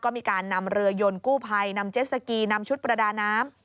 ก็มีการนำเรือยนกู้ภัยนำเจ็ดสกีนำชุดประดาน้ำ